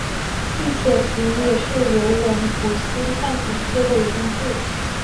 并且福尼也是尤文图斯战前最后一任队长。